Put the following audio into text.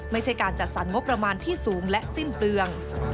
ไม่ใช่การจัดสรรงบประมาณที่สูงและสิ้นเปลือง